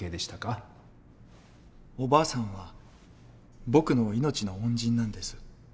おばあさんは僕の命の恩人なんです。